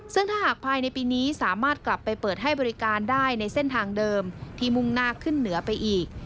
ซึ่งถ้าหากภายในปีนี้สามารถกลับไปเปิดให้บริการได้ในเส้นทางเดิมที่มุ่งหน้าขึ้นเหนือไปอีก